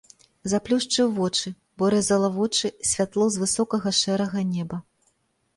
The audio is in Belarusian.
Заплюшчыў вочы, бо рэзала вочы святло з высокага шэрага неба.